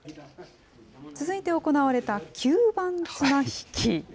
続いて行われた吸盤綱引き。